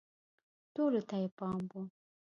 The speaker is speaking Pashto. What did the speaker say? ټولو ته یې پام و